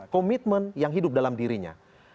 komitmen yang hidup dalam dirinya